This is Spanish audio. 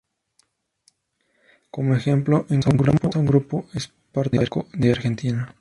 Como ejemplo encontramos a Grupo Espartaco de Argentina.